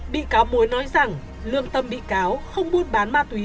bị cáo muốn nói rằng lương tâm bị cáo không muốn bán ma túy